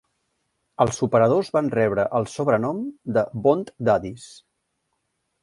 Els operadors van rebre el sobrenom de Bond Daddies.